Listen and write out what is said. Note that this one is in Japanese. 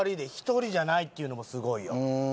１人じゃないっていうのもすごいよ。